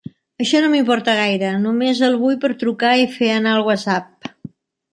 Això no m'importa gaire, només el vull per trucar i fer anar el whatsapp.